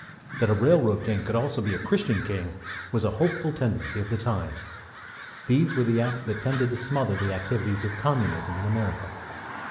That a railroad king could also be a Christian king was a hopeful tendency of the times. These were the acts that tended to smother the activities of Communism in America.